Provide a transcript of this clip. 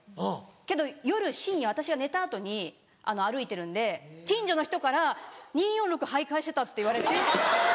けど夜深夜私が寝た後に歩いてるんで近所の人から２４６徘徊してたって言われて。